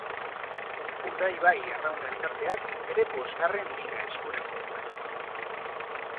Urdaibai Arraun Elkarteak bere bosgarren Liga eskuratu zuen.